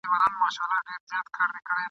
سیوري د ولو بوی د سنځلو !.